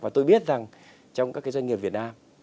và tôi biết rằng trong các doanh nghiệp việt nam